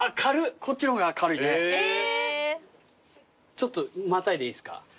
ちょっとまたいでいいっすか？